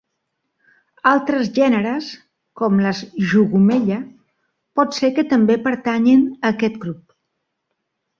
Altres gèneres, com les "Jugumella", pot ser que també pertanyin a aquest grup.